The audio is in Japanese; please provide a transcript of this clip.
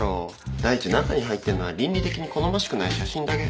第一中に入ってるのは倫理的に好ましくない写真だけ。